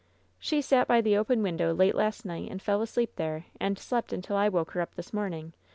"She sat by the open window late last night and fell asleep there, and slept until I woke her up this morning.